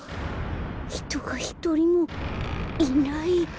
ひとがひとりもいない。